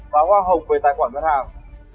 và hoa hồng về tài khoản đơn hàng